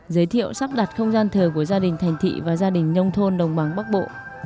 giới thiệu sắp đặt không gian thờ của gia đình thành thị và gia đình nông thôn đồng bằng bắc bộ